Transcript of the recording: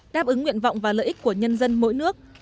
đáp ứng nguyện vọng và lợi ích của nhân dân mỗi nước